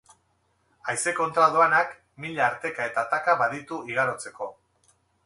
Haize kontra doanak mila arteka eta ataka baditu igarotzeko.